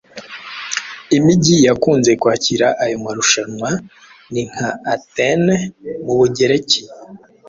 Imigi yakunze kwakira ayo marushanwa ni nka Atene mu Bugereki,